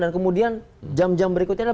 dan kemudian jam jam berikutnya